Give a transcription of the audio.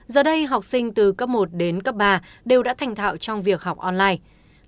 giờ đây học sinh từ cấp một đến cấp ba đều đã thành thạo trong việc học online